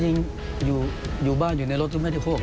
จริงอยู่บ้านอยู่ในรถก็ไม่ได้โคก